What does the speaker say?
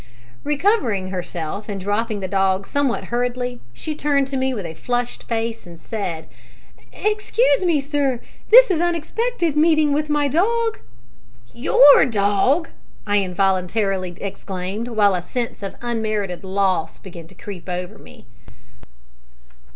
Recovering herself, and dropping the dog somewhat hurriedly, she turned to me with a flushed face and said "Excuse me, sir; this unexpected meeting with my dog " "Your dog!" I involuntarily exclaimed, while a sense of unmerited loss began to creep over me.